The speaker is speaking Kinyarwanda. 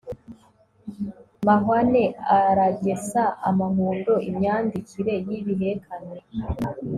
mahwane aragesa amahundo.imyandikire y'ibihekane